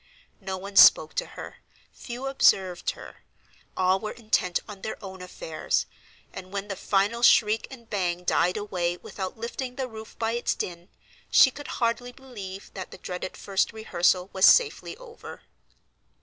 No one spoke to her; few observed her; all were intent on their own affairs; and when the final shriek and bang died away without lifting the roof by its din, she could hardly believe that the dreaded first rehearsal was safely over.